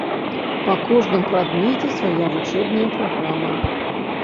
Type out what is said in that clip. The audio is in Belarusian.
Па кожным прадмеце свая вучэбная праграма.